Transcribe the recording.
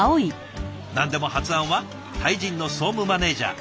何でも発案はタイ人の総務マネージャー。